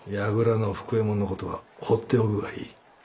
櫓の福右衛門の事は放っておくがいい。